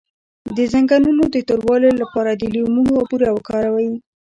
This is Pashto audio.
د زنګونونو د توروالي لپاره لیمو او بوره وکاروئ